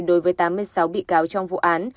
đối với tám mươi sáu bị cáo trong vụ án